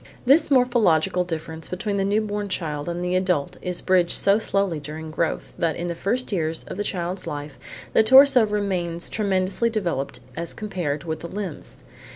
This morphological difference between the new born child and the adult is bridged so slowly during growth that in the first years of the child's life the torso still remains tremendously developed as compared with the limbs.